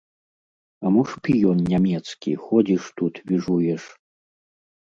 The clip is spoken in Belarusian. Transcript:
А мо шпіён нямецкі, ходзіш тут, віжуеш!